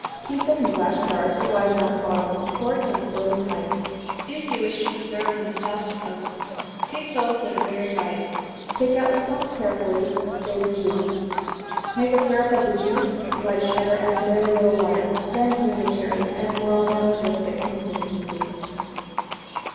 Keep them in glass jars, or wide mouthed bottles cork and seal them tight. If you wish to preserve them without the stones, take those that are very ripe, take out the stones carefully, save the juice. Make a syrup of the juice, white sugar, and very little water, then put in the cherries, and boil them to a thick consistency.